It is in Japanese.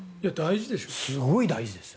すごい大事ですよ。